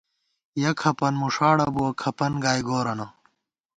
یَہ کھپَن مُݭاڑہ بُوَہ ، کھپَن گائی گورَنہ